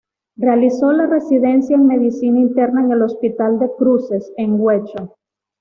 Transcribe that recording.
Realizó la residencia en medicina interna en el Hospital de Cruces, en Guecho.